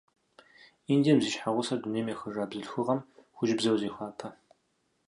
Индием зи щхьэгъусэр дунейм ехыжа бзылъхугъэм хужьыбзэу зехуапэ.